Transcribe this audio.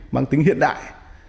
mang tính hiện đại